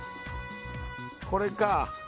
これか。